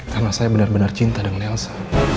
karena saya benar benar cinta dengan elsa